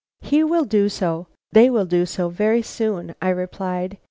"He will do so; they will do so very soon," I replied.